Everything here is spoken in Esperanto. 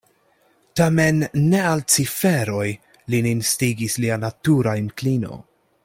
Tamen ne al ciferoj lin instigis lia natura inklino.